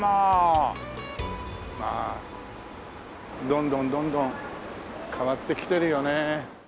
どんどんどんどん変わってきてるよね。